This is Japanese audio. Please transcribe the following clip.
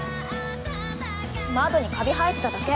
窓にカビ生えてただけ。